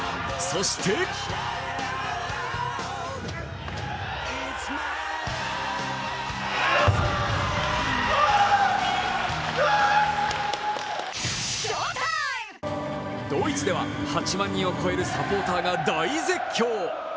そしてドイツでは、８万人を超えるサポーターが大絶叫。